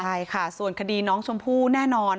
ใช่ค่ะส่วนคดีน้องชมพู่แน่นอน